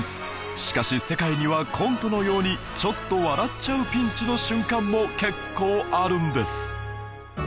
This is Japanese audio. しかし世界にはコントのようにちょっと笑っちゃうピンチの瞬間も結構あるんです